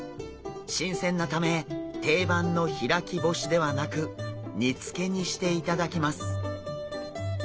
新鮮なため定番の開き干しではなく煮付けにしていただきます。